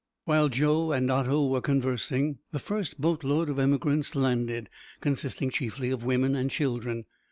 While Joe and Otto were conversing, the first boat load of emigrants landed, consisting chiefly of women and children.